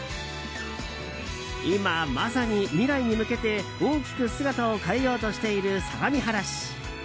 今まさに未来に向けて大きく姿を変えようとしている相模原市。